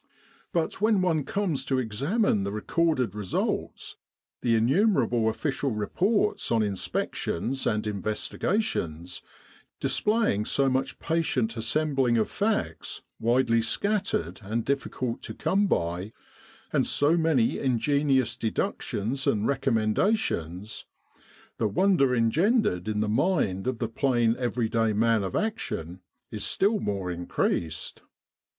But when one comes to examine the recorded results the in numerable Official Reports on inspections and in vestigations, displaying so much patient assembling of facts widely scattered and difficult to come by, and so many ingenious deductions and recommendations the wonder engendered in the mind of the plain every day man of action is still more increased.